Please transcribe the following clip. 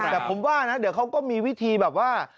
แต่ผมว่านะเดี๋ยวเขาก็มีวิธีแบบว่า